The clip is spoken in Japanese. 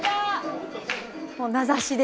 もう名指しで。